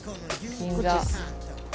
銀座。